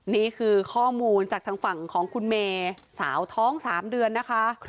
นี่คือข้อมูลจากทางฝั่งของคุณเมย์สาวท้อง๓เดือนนะคะ